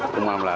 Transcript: cũng mong là